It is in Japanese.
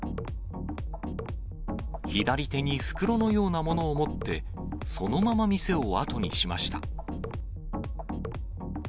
左手に袋のようなものを持って、そのまま店を後にしました。